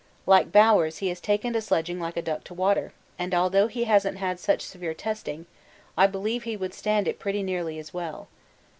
Like Bowers he has taken to sledging like a duck to water, and although he hasn't had such severe testing, I believe he would stand it pretty nearly as well.